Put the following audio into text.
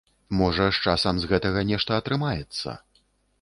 Можа, з часам з гэтага нешта атрымаецца.